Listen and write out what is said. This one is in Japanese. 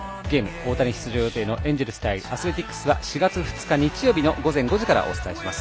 大谷出場予定のエンジェルス対アスレティックスは４月２日日曜日の午前５時からお伝えします。